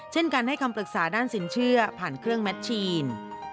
เช่นการให้คำปรึกษาด้านสินเชื่อผ่านเครื่องแมทชีน